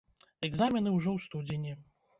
Экзамены ўжо ў студзені.